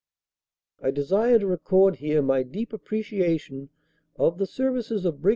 "I desire to record here my deep appreciation of the ser vices of Brig.